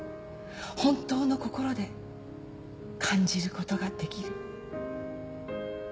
本当の心で感じることができる。